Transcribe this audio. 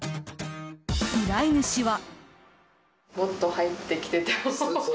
依頼主は。